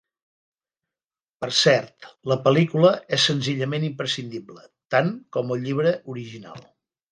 Per cert, la pel·lícula és senzillament imprescindible. Tant com el llibre original.